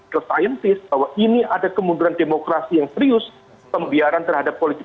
ke scientist bahwa ini ada kemunduran demokrasi yang serius pembiaran terhadap politik